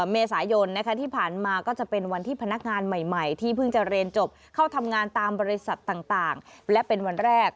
เมษายนที่ผ่านมาก็จะเป็นวันที่พนักงานใหม่ที่เพิ่งจะเรียนจบเข้าทำงานตามบริษัทต่างและเป็นวันแรก